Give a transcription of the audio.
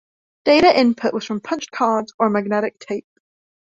Data input was from punched cards or magnetic tape.